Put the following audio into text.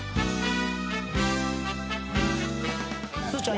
「すずちゃん